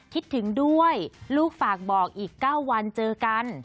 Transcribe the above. คิดถึงด้วยลูกฝากบอกอีก๙วันเจอกัน